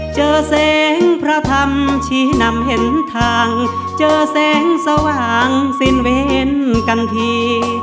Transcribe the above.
เจอแสงพระธรรมชี้นำเห็นทางเจอแสงสว่างสิ้นเว้นกันที